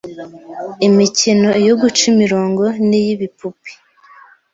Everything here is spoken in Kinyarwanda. Imikino iyo guca imirongo, niy’ibipupe,